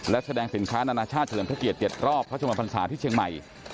และแสดงสินค้านานาชาติเฉลิมพระเกียรติ๗รอบพระชมพันศาที่เชียงใหม่